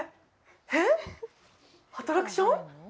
えっ、アトラクション？